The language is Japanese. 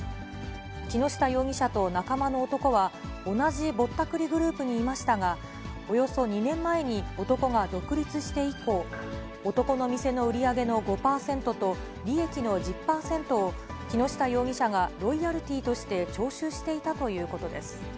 木下容疑者と仲間の男は、同じぼったくりグループにいましたが、およそ２年前に男が独立して以降、男の店の売り上げの５％と利益の１０％を、木下容疑者がロイヤルティーとして徴収していたということです。